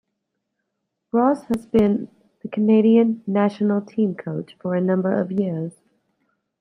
Ross has been the Canadian National Team coach for a number of years.